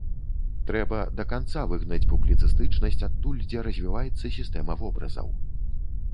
Трэба да канца выгнаць публіцыстычнасць адтуль, дзе развіваецца сістэма вобразаў.